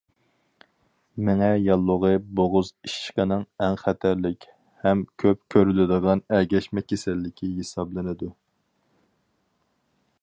مېڭە ياللۇغى بوغۇز ئىششىقىنىڭ ئەڭ خەتەرلىك ھەم كۆپ كۆرۈلىدىغان ئەگەشمە كېسەللىكى ھېسابلىنىدۇ.